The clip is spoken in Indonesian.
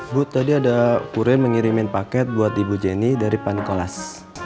bu tadi ada kureng mengirimin paket buat ibu jenny dari pan nikolas